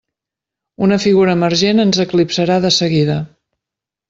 Una figura emergent ens eclipsarà de seguida.